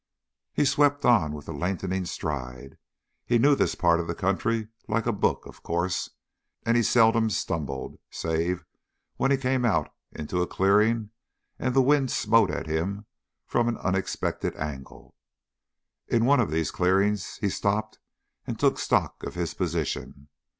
He swept on with a lengthening stride. He knew this part of the country like a book, of course, and he seldom stumbled, save when he came out into a clearing and the wind smote at him from an unexpected angle. In one of these clearings he stopped and took stock of his position.